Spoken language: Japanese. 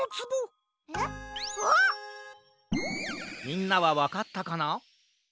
みんなはわかったかな？